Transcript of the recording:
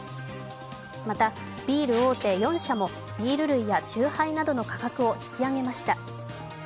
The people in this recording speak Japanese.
また、ビール大手４社もビール類やチューハイなどの価格を引き上げました。